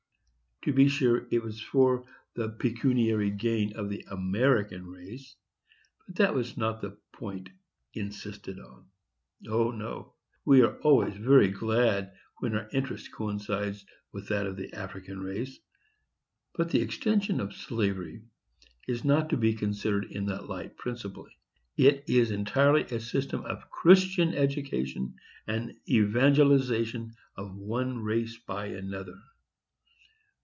To be sure, it was for the pecuniary gain of the American race, but that was not the point insisted on. O no! we are always very glad when our interest coincides with that of the African race; but the extension of slavery is not to be considered in that light principally; it is entirely a system of Christian education, and evangelization of one race by another.